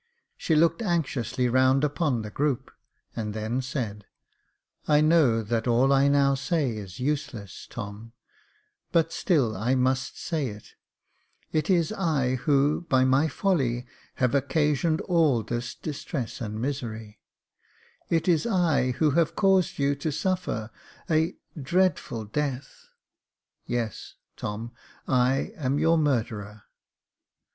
She looked anxiously round upon the group, and then said, " I know that all I now say is useless, Tom ; but still I must say it — it is I who, by my folly, have occasioned all this distress and misery — it is I who have caused you to suffer a — dreadful death — yes, Tom, I am your murderer."